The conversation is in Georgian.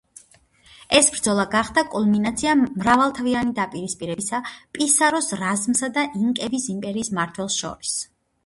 ეს ბრძოლა გახდა კულმინაცია მრავალთვიანი დაპირისპირებისა პისაროს რაზმსა და ინკების იმპერიის მმართველს შორის.